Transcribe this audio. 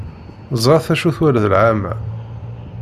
Ẓret acu twala lɛamma.